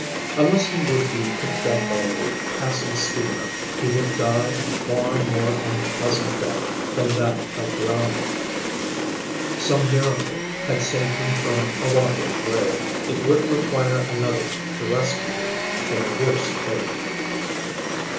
Unless he would be picked up by a passing steamer, he would die a far more unpleasant death than that of drowning. Some miracle had saved him from a watery grave; it would require another to rescue him from a worse fate.